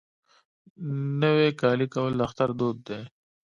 نوی کالی کول د اختر دود دی.